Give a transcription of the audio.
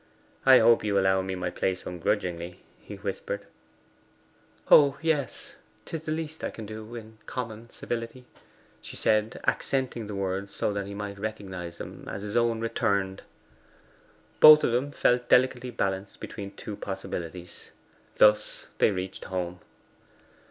'I hope you allow me my place ungrudgingly?' he whispered. 'Oh yes; 'tis the least I can do in common civility,' she said, accenting the words so that he might recognize them as his own returned. Both of them felt delicately balanced between two possibilities. Thus they reached home.